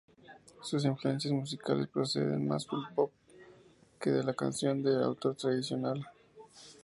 Sus influencias musicales proceden más del pop que de la canción de autor tradicional.